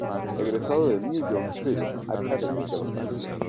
Egresado de New York Film Academy de Los Ángeles.